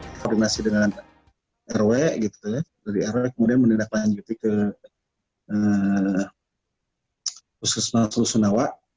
di koordinasi dengan rw kemudian menindaklanjuti ke puskesmas lusunawa